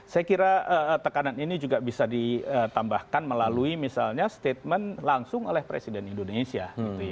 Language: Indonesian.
saya kira tekanan ini juga bisa ditambahkan melalui misalnya statement langsung oleh presiden indonesia